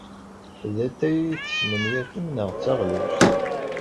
D atay ay tesmenyafem neɣ d taɣlust?